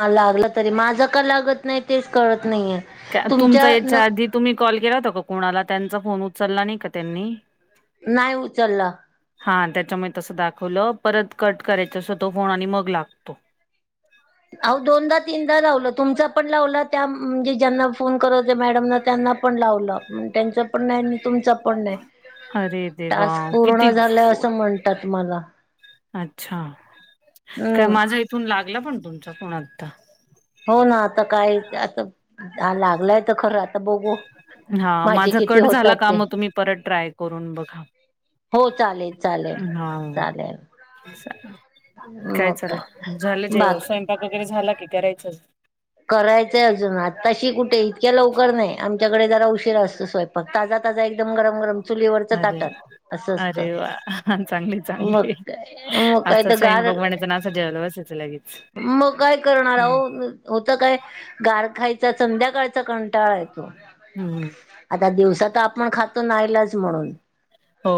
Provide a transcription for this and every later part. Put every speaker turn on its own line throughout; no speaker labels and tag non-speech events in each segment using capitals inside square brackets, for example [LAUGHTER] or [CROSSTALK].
हा लागला तरी, माझं का लागत नाहीए तेच कळत नाहीये? तुमच्या
तुमचा
न
याच्या आधी तुम्ही कॉल केला होता का कुणाला त्यांचा फोन उचलला नाही का? त्यांनी
नाही उचलला.
हा त्याच्यामुळं तसं दाखवलं परत कट करायच तसं तो फोन आणि मग लागतो.
अवो दोनदा, तीनदा लावलं तुमचा पण लावला त्या म्हणजे ज्यांना फोन करत मॅडम त्यांना फोन लावला, त्याचं पण नाही आणि तुमचा पण नाही,
अरे देवा
टास्क
किती
पूर्ण झाला
फो
असं म्हणतात मला
अच्छा, काय
हम्म
माझा इथून लागला पण तुमचा फोन आता
हो ना आता काय आता, हा लागलाय तर खरं आता बघू
हा
माझे
माझा
किती
कट झाला
होतात
का
ते
म तुम्ही परत ट्राय करून बघा.
हो चालेल
[UNINTELLIGIBLE]
चालेल चालेल मग
काय चाललं, झालं जेवण
बाकी
स्वयंपाक वगैरे झाला की करायचयं?
करायचंय अजून आताशी कुठे इतक्या लवकर नाही. आमच्याकडे जरा उशीर असतो स्वयंपाक मग ताजा ताजा एकदम गरम गरम चुलीवरच
अरे
ताटात अस असतं
अरे वा चांगली
मग
चांगली
काय मग काय
असा
तर गार
स्वयंपाक बनायचा ना असं जेवायला बसायचं लगेच.
मग काय करणार अहो होत काय गार खायच संध्याकाळचा कंटाळा येतो
हम्म हम्म
आता दिवसात आपण खातो. नाईलाज म्हणून
हो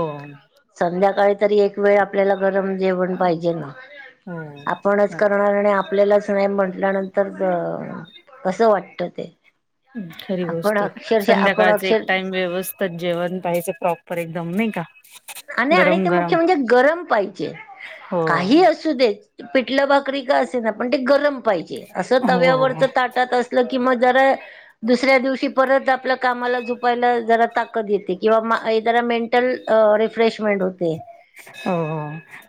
संध्याकाळी तर एक वेळ आपल्याला गरम जेवण पाहिजेल ना
हो
आपणच करणार आपल्यालाच नाही. म्हटल्यानंतर कसं वाटत ते
खरी
आपण
गोष्ट आहे
अक्षरशः आपण
संध्याकाळच एक
अक्षर
टाइम व्यवस्थित जेवण पाहिजे प्रॉपर एकदम नाही का!
आणि आणि
गरम
ते
गरम
मुख्य म्हणजे गरम पाहिजे.
हो
काही असू देेत. पिटलं भाकरी का असेना पण ते गरम पाहिजे असं
हो
तव्यावरच
हो
ताटात घरात असलं की मग जरा दुसऱ्या दिवशी परत आपल्या कामाला झुपायला जरा ताकद येते. किंवा जरा मेन टल रिफ्रेशमेंट होते.
हो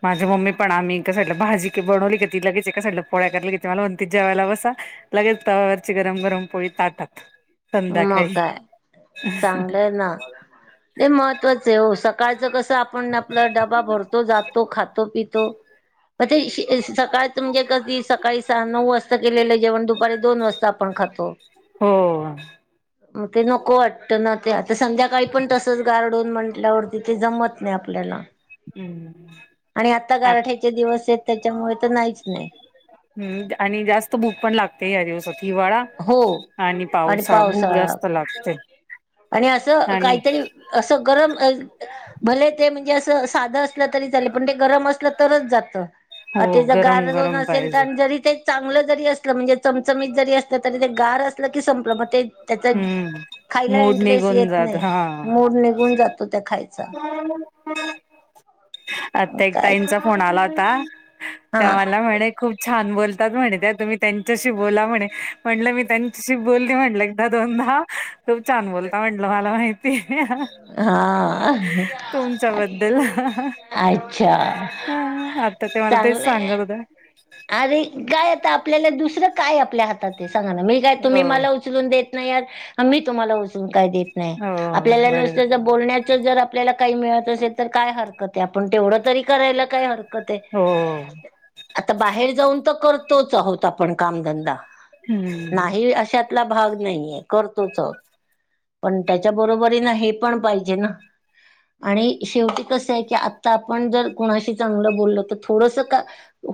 माझं मम्मी पण आम्ही एका साईडला भाजी बनवली. ती लगेच एका साईडला पोळ्या करायला घेते मला म्हणते जेवायला बसा लगेच तवावरची गरम गरम पोळी ताटात
मग
संध्याकाळी
काय चांगलंय ये ना ते मग आहे सकाळचं कसं आपण आपला डबा भरतो जातो. खातो पितो मग ते सकाळ म्हणजे कधी सकाळी सहा नऊ वाजता केलेलं जेवण दुपारी दोन वाजता आपण खातो.
हो
मग ते नको वाटत. ना ते आता संध्याकाळी पण तसंच गार दोन म्हंटल्या वरती ते जमत नाही. आपल्याला
हम्म
आणि आता
आत
गारठ्याचे दिवस आहेत. त्यांच्यामुळे तर नाहीच नाही.
हम्म आणि जास्त भूक पण लागते. या दिवसात हिवाळा
हो आणि
भूक
पावसाळा
जास्त लागते
आणि असं
आणि
काहीतरी असं गरम अ भले ते म्हणजे असं साधं असलं तरी चालेल. पण ते गरम असलं तरच जात.
हो
अ तेचा
गरम
गार दोन
गरम
असेल.
पाहिजे
तर जरी ते चांगलं जरी असलं म्हणजे चमचमीत जरी असलं. तरी ते गार असलं की संपलं मग ते त्यांचा
हम्म
खायला
मूड
इंटरेस्ट
निघून
येत
जात
नाही.
हा
मूड निघून जातो त्या खायचा
आता एक
काय
ताईचा फोन आला होता.
हा
त्या मला म्हणे खूप छान बोलतात. म्हणे त्या तुम्ही त्यांच्याशी बोला म्हणे म्हंटलं मी त्यांच्याशी बोलली म्हटलं! दोनदा तुम्ही छान छान बोलता म्हंटलं मला माहिती.
हा
तुमच्याबद्दल
अच्छा
आता ते मला तेच
चांगलंय
सांगत होते
अरे काय आता आपल्याला दुसरं काय आपल्या हातात ते सांगा ना मी काय
हो
तुम्ही मला उचलून देत नाही आहात का मी तुम्हाला उचलून काय देत नाही आहे
हो
आपल्याला
बरे
नुसत जमतं बोलण्याच जर आपल्याला काही मिळत असेल तर काय हरकत आहे आपण तेवढं तरी करायला काय हरकत
हो
आता बाहेर जाऊन तर करतोच आहोत आपण कामधंदा
हम्म
नाही अशतला भाग नाहीये करतोच आहोत पण त्यांच्या बरोबरीन हे पण पाहिजे ना. आणि शेवटी कसं आहे की, आत्ता आपण जर कुणाशी चांगलं बोलल तर थोडंस का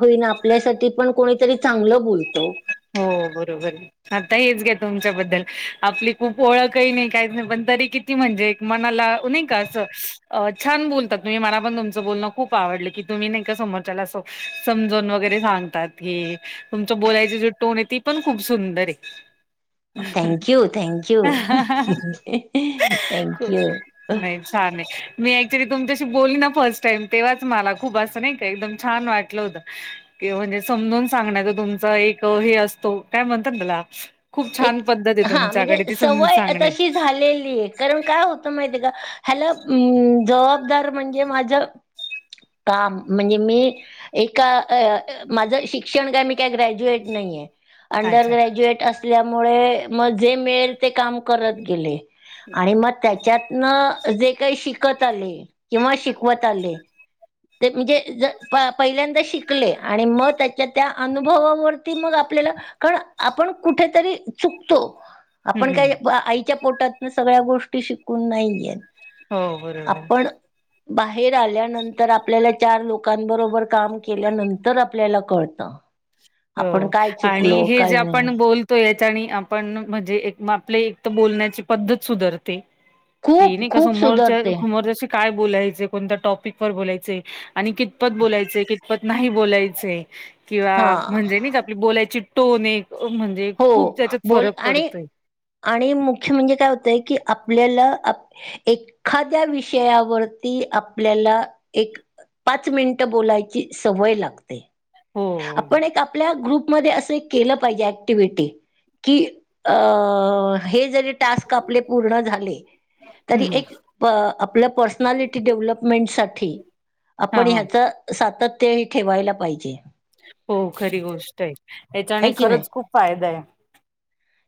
होईना आपल्यासाठी पण कोणीतरी चांगलं बोलतो.
हो बरोबर आहे. आता हेच घ्या तुमच्याबद्दल आपली खूप ओळखही नाही काहीच नाही पण तरी कि ती म्हणजे मनाला नाही का असं छान बोलतात, तुम्ही मला पण तुमचं बोलणं खूप आवडले की तुम्ही नाहीका, समोरच्याला असं समजून वगैरे सांगतात हे तुमचं बोलायचं जो टोन आहे, ती पण खूप सुंदर आहे.
Thank you thank you thank you हंह हं
नाही छान आहे मी ऍक्च्युली तुमच्याशी बोलली ना फर्स्ट टाईम तेव्हाच मला खूप असं नाही का एकदम छान वाटलं होतं. की म्हणजे समजून सांगण्याच तुमचा एक हे असतो काय म्हणतात त्याला खूप
एक
छान पद्धत आहे
हा म्हणजे
तुमच्याकडे ती समजून
सवय
सांगण्याची
तशी झालेली आहे. कारण काय होतं माहितीका ह्याला जबाबदार म्हणजे माझं काम म्हणजे मी एका माझं शिक्षण काय मी त्यात ग्रॅज्युएट नाहीय अंडर
अच्छा
ग्रॅजुएट अस ल्यामुळे म जे मिळेल ते काम करत गेले आणि मग त्याच्या तन जे काही शिकत आले किंवा शिकवत आले ते म्हणजे ज प पहिल्यांदा शिकले आणि म त्यांच्या त्या अनुभवावरती मग आपल्याला कारण आपणं कुठेतरी चुकतो
हं
आपणं
हं
काय आ ईच्या पोटातन सगळ्यां गोष्टी शिकून नाहीय येतं
हो बरोबर
आपणं त्या बाहेर आल्यानंतर आपल्याला चार लोकांबरोबर काम केल्यानंतर आपल्याला कळतं. आपण
हो
काय
आणि
चुकलो
हे जे
काय नाही
आपणं बोल तोयचं आणि आपण म्हणजे आपले एक तर बोलण्याची पद्धत सुधरते. की हे
खूप
नाही का
खूप
समोरच्या
सुधारते
समोरच्याशी काय बोलायचे कोणत्या टॉपिक वर बोलायचं आणि कितपत बोलायचं कितपत नाही बोलायचं किंवा
हा
म्हणजे नाहीका आपली बोलायची टोन आहे म्हणजे
हो
खूप त्यांच्यात
बोल
फरक
आणि
पडतोय.
आणि मुख्य म्हणजे काय होतंय की आपल्याला एखाद्या विषयावरती आपल्याला एक पाच मिनिटं बोलायची सवय लागते
हो
आपण एक आपल्या ग्रुपमध्ये असे एक केलं पाहिजे ऍक्टि्ही की अ हे जरी टास्क आपले पूर्ण झाले. तरी
हं हं
एक आपल्या पर्सनालिटी डेव्हलपमेंटसाठी
हां
आपणं
हां
ह्यांचं सातत्य हे ठेवायला पाहिजे.
हो खरी गोष्ट आहे याच्याने
आहे की नाही
खरंच खूप फायदा आहे.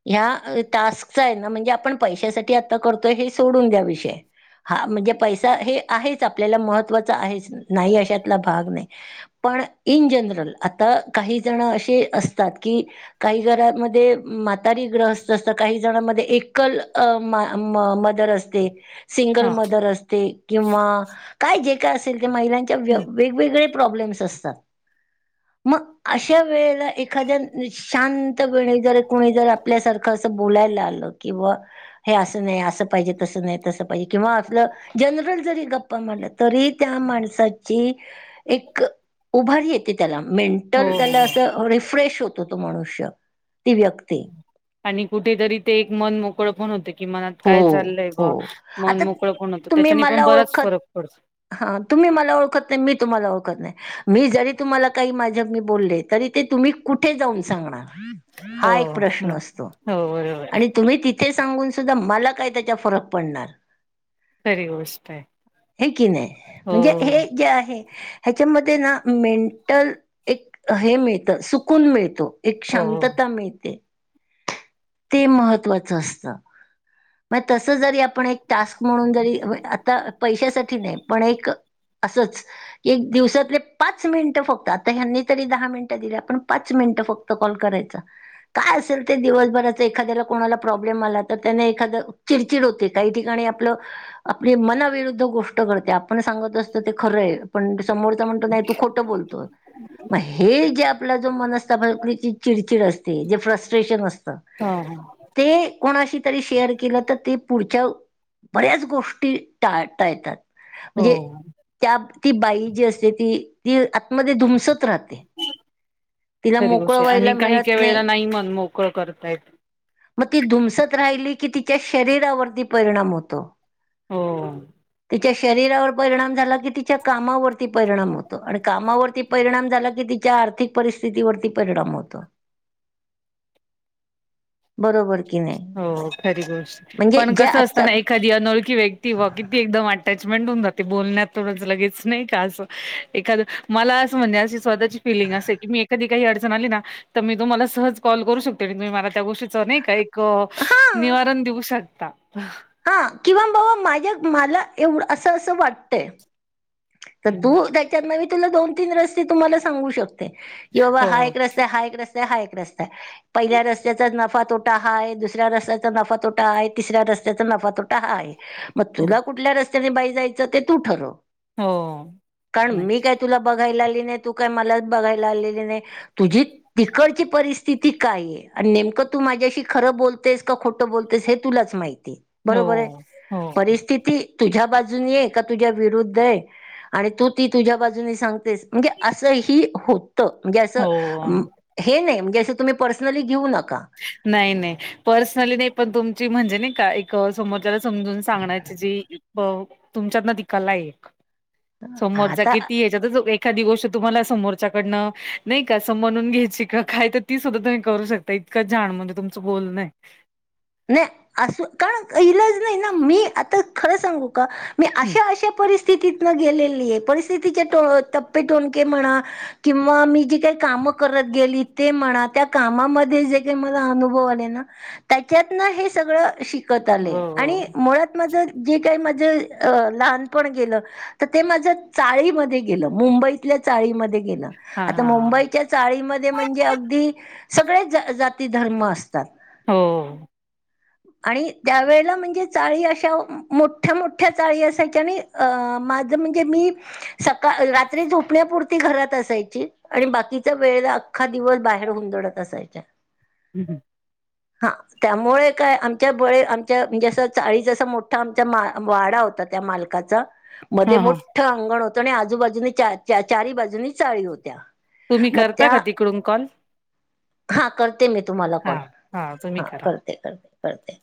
ह्या टास्कचा आहे ना म्हणजे आपण पैशासाठी आता करतोय हे सोडून द्या विषय, हा म्हणजे पैसा हे आहेच आपल्याला महत्त्वाचा आहेच. नाही अशातला भाग नाही पण इन जनरल, आता काहीजण असे असतात की, काही घरांमध्ये म्हातारी ग्रहस्त असतं, काही जणांमध्ये एकल् मदर अस ते सिंगल
हा
मदर असते. किंवा काय जे काय असेल ते, महिलांच्या वे वेगवेगळे प्रॉब्लेम्स असतात. म अशा वेळेला एखाद्या शांतपणे जर कोणी जर आपल्यासारखं असं बोलायला आलं की बाबा बोलायला हे असं नाही असं पाहिजे तसं नाही तसं पाहीजे, किंवा आपलं जनरल जरी गप्पा मारल्या तरी त्या माणसाची एक उभारी येते त्याला
हो
मेंटल त्याला
हो
असं रिफ्रेश होतं तो तो मनुष्य. ती व्यक्ती.
आणि कुठेतरी, ते एक मन मोकळं पण होते. कि मनात
हो
काय चालय
हो
बुवा. मन
आता
मोकळं पण होतं.
तुम्ही
त्याच्याने पण
मला
बराच
ओळखत
फरक पडतो.
हा. तुम्ही मला ओळखत नाही. मी तुम्हाला ओळखत नाही. मी जरी तुम्हाला, काही माझ्या मी बोलले, तरी ते तुम्ही कुठे जाऊन सांगणार? हा एक
हो मग
प्रश्न असतो.
हो बरोबर
आणि तुम्ही ति थे सांगून सुद्धा मला काय, त्याचा फरक पडणार?
खरी गोष्ट आहे
हे की नाही.
हो
म्हणजे हे जे आहे ह्याच्यामध्ये ना, मेंटल एक हे मिळतं. सुकून मिळतो. एक
हो
शांतता मिळते. ते महत्त्वाचं असतं. मग तस जरी, आपण एक टास्क म्हणून जरी, आता पैशासाठी नाही. पण एक असंच एक दिवसातले पाच मिनिटं फक्त. आता ह्यांनी तरी दहा मिनिटं दिल्या. पण पाच मिनिटं फक्त कॉल करायचा. काय असेल ते, दिवसभराचं एखाद्याला कोणाला प्रॉब्लेम आला तर त्यांना एखादं, चिडचिड होते. काही ठिकाणी आपलं आपली मनाविरुद्ध गोष्ट घडते. आपण सांगत अस तो ते खरंय. पण समोरच म्हणतो, नाही तू खोटं बोलतो मग हे जे आपला, जो मनस्तताप रीची चिडचिड असते, जे फ्रस्ट्रेशन असतं
हा-हा.
ते, कोणाशी ते शेअर केलं तर, ते पुढच्या, बऱ्याच गोष्टी टाळता येतात.
हो
म्हणजे त्या, ती बाई जी असते ती, ती आतमध्ये धुमसत राहते. तिला
खरी
मोकळं
गोष्टय.
व्हायला
आणि
मिळत
काही-काही वेळेला, नाही मन मोकळ करता येत.
मग ती धुमसत राहिली की, तिच्या शरीरावरती परिणाम होतो.
हो.
तिच्या शरीरावर परिणाम झाला की, तिच्या कामावरती परिणाम होतो. आणि कामावरती परिणाम झाला की, तिच्या आर्थिक परिस्थितीवरती परिणाम होतो.
[INAUDIBLE]
बरोबर की नाही?
हो खरी गोष्ट.
म्हणजे
पण
जे
कसं असत
आता
ना, एक एखादी अनोळखी व्यक्ती बुवा, किती एकदम अटॅचमेंट होऊ जाते. बोलण्यात थोडंच लगेच. नाही का? असं एखादं, मला असं म्हणजे अशी, स्वतःची फिलिंग असे की, मी एखादी काही अडचण आली ना तर मी तुम्हाला सहज कॉल करू शकते. मनातल्या मला त्या गोष्टीचं, नाही का एक क,
हा
निवारण देऊ शकता.
हा, किंवा बाबा, माझ्या मला, एवढं असं - असं वाटतंय. तर
हम्म
तू त्याच्यात म मी तुला, दोन, तीन रस्ते तुम्हाला सांगू शक ते. कि बाबा,
हो
हा एक रस्ताय, हा एक रस्ताय, हा एक रस्ताय. पहिल्या रस्त्याचा नफा - तोटा हाय. दुसऱ्या रस्त्याचा नफा - तोटा हाय. तिसऱ्या रस्त्याचा नफा - तोट त हा आहे. मग
हं,
तुला कुठल्या रस्त्याने बाई जायचं, ते तू ठरव.
हो.
कारण,
नाही
मी काय तुला बघायला आली नाही. तू काय मला बघायला आलेली नाही. तुझी तिकडची परिस्थिती काय? आणि नेमकं तू माझ्याशी, खरं बोलतेस का? खोट ट बोलतेस, हे तुलाच माहिती.
हो
बरोबरय.
हो
परिस्थिती तुझ्या बाजून नेय, का तुझ्या विरुद्ध आहे. आणि तू ती तुझ्या बाजूनी सांगतेस. म्हणजे असं ही होतं म्हणजे असं
हो
हे नाही म्हणजे असं तुम्ही पर्सनली घेऊ नका.
नाही नाही पर्सनली पण तुमची म्हणजे नाही का. समोरच्याला समजून सांगण्याची जे तुमच्यात ती कलाय. समोरचा
आता
किती येत''--'' जद झोप एखादी गोष्ट तुम्हाला समोरच्याकडनं नाही का म्हणून घ्यायची का काय तर. ती सुद्धा तुम्ही करू शकता इतकं छान म्हणजे तुमचं बोलणय हाय.
नाही अस का इलाज नाही ना मी आता खरं सांगू. का, मी
हं.
अशा अशा परिस्थिती. ती गेलेली आहे परिस्थितीचे टप्पे टोनके म्हणा. किंवा मी जी काही काम करत गेली ते म्हणा त्या कामामध्ये जे काही मला अनुभव आले ना. त्याच्यात हे सगळ शिकत
हो,
आले
हो.
आणि मुळात माझ. जे काही मा अ लहानपण गेलं तर ते माझ्या चाळीमध्ये गेलं मुंबई. तिथल्या चाळीे मध्ये गेल
हां,
आता
हां, हां.
मुंबईच. चाळीमध्ये म्हणजे अगदी सगळे जा जाती धर्म असतात.
हो,
आणि त्यावेेळेला म्हणजे चाळी अशाव. मोठ्या मोठ्या चाळी असायच्या आणि अ माझ म्हणजे मी. सकाळ रात्री झोपण्यापुरती घरात असायची. आणि बाकीचा वेळ अख्खा दिवस बाहेर हुंंदडत असायच्या.
हम्.
हा, त्यामुळे काय आमच्या बळे आमच्या म्हणजें चाळी जसा मोठा आमचा वाडा होता त्या मालकाचा. काच मध्ये
हां, हां.
मोठं अंगण होत आणि आजूबाजूने चा चार बाजूनी चाळी होत्या.
तुम्ही
मग
करता का
त्या
तिकडून कॉल.
हा, करते मी तुम्हाला कॉल.
हा, तुम्ही करा.
करते [INAUDIBLE] करते करते